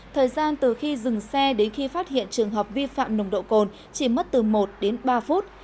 thời gian từ khi dừng xe đến khi phát hiện trường hợp vi phạm nồng độ cồn chỉ mất từ một đến ba phút